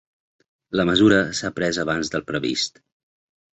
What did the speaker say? La mesura s'ha pres abans del previst